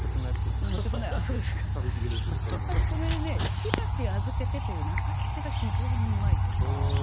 これね「暫し預けて」という中七が非常にうまいと思います。